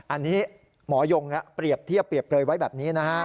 อันนี้หมอยงเปรียบเทียบเปรียบเปลยไว้แบบนี้นะฮะ